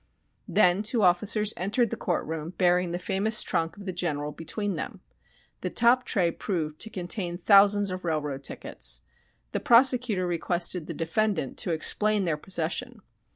Then two officers entered the courtroom bearing the famous trunk of the General between them. The top tray proved to contain thousands of railroad tickets. The prosecutor requested the defendant to explain their possession.